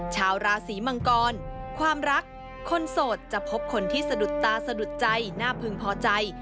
ชาวราศีมังกรความรักคนโสดจะพบคนที่สะดุดตาสะดุดใจน่าพึงพอใจ